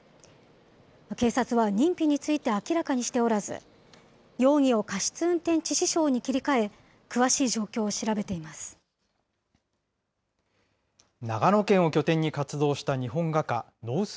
警察は認否について明らかにしておらず、容疑を過失運転致死傷に切り替え、詳しい状況を調べてい長野県を拠点に活動した日本画家、野生司